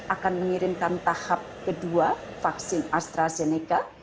akan mengirimkan tahap kedua vaksin astrazeneca